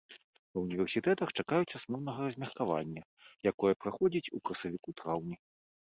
Ва ўніверсітэтах чакаюць асноўнага размеркавання, якое праходзіць у красавіку-траўні.